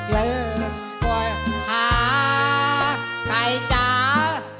แล้วปล่อยหาใครจ้า